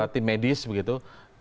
tim medis begitu